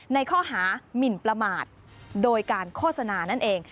ในข้อหามินประมาทโดยการโฆษณานั่นเอง